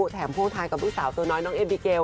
แถมพ่วงทางกับผู้สาวตัวน้อยน้องเอบิเกียล